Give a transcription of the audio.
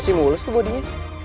masih mulus tuh bodinya